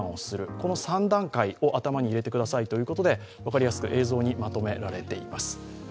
この３段階を頭に入れてくださいということで分かりやすく映像にまとめられています。